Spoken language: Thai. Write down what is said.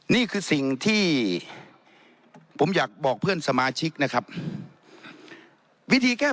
นี่คือสิ่งที่ผมอยากบอกเพื่อนสมาชิกนะครับวิธีแก้